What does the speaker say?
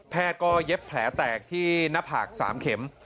แพทย์ก็เย็บแผลแตกที่หน้าผ่าสามเข็ม